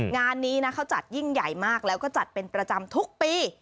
งานนี้นะเขาจัดยิ่งใหญ่มากแล้วก็จัดเป็นประจำทุกปี